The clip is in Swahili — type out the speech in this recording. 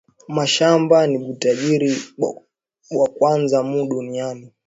Mashamba ni butajiri bwa kwanza mu dunia